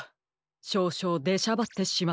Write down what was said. しょうしょうでしゃばってしまったようです。